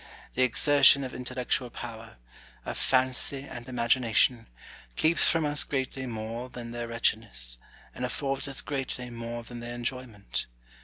The exertion of intellectual power, of fancy and imagination, keeps from us greatly more than their wretchedness, and affords us greatly more than their enjoyment.